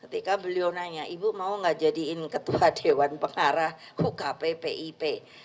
ketika beliau nanya ibu mau gak jadiin ketua dewan pengarah ukp pip